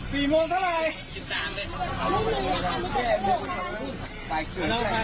สี่โมงสี่โมงเท่าไรสิบสามสี่โมงเท่าไร